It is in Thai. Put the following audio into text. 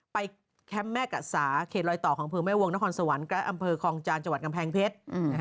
ไปแคมป์แม่กัษาเขตรอยต่อของอำเภอแม่วงนครสวรรค์อำเภอคองจานจกำแพงเพชร